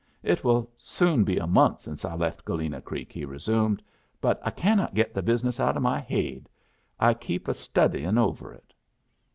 "It will soon be a month since I left Galena Creek," he resumed. "But I cannot get the business out o' my haid. I keep a studyin' over it."